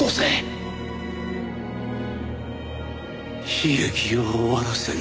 悲劇を終わらせる。